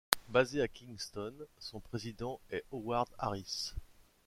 Basée à Kingston, son président est Howard Aris.